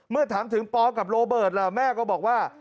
เมื่อถามถึงปอกับโรเบิร์ตล่ะแม่ก็บอกว่า